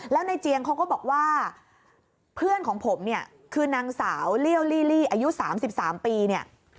แล้วในเจียงเขาก็บอกว่าเพื่อนของผมเนี่ยคือนางสาวเลี่ยวลี่อายุ๓๓ปีเนี่ย